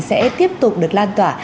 sẽ tiếp tục được lan tỏa